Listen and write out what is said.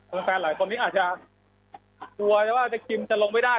ก็แฟนหลายคนนี้อาจจะตัวแต่ว่าอาจจะกินจะลงไม่ได้